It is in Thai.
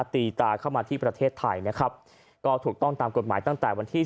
ตีตาเข้ามาที่ประเทศไทยนะครับก็ถูกต้องตามกฎหมายตั้งแต่วันที่